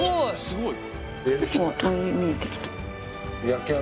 すごい！